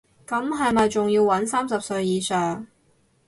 咁係咪仲要搵三十歲以上